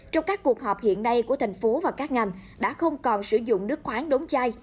trong các cuộc họp hiện nay của thành phố và các ngành đã không còn sử dụng nước khoáng đống chai